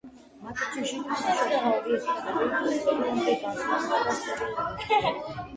მატჩში თამაშობდა ორი ესპანური გუნდი „ბარსელონა“ და „სევილია“.